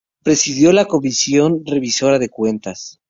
Presidió la Comisión Revisora de Cuentas.